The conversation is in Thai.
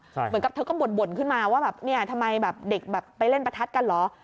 เหมือนกับเธอก็บ่นขึ้นมาว่าแบบเนี่ยทำไมแบบเด็กแบบไปเล่นประทัดกันเหรอ